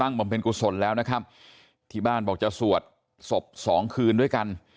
บำเพ็ญกุศลแล้วนะครับที่บ้านบอกจะสวดศพสองคืนด้วยกัน